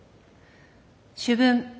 「主文。